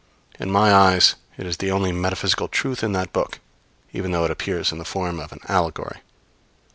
In my eyes, it is the only metaphysical truth in that book, even though it appears in the form of an allegory.